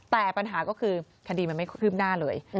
แต่ปัญหาก็คือคดีมันไม่ขึ้นขึ้นหน้าเลย